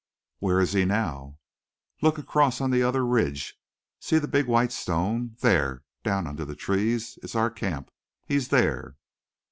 "Where is he now?" "Look across on the other ridge. See the big white stone? There, down under the trees, is our camp. He's there."